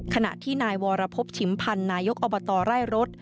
ขณะที่นายวรพบชิมพันธ์นายกอบตไร่รถ